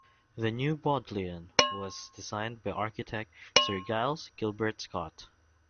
The New Bodleian was designed by architect Sir Giles Gilbert Scott.